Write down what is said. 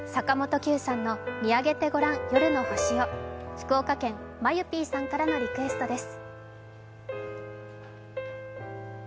福岡県、まゆぴぃさんからのリクエストです。